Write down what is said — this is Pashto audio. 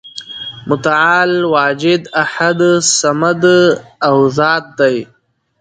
متعال واجد، احد، صمد او ذات دی ،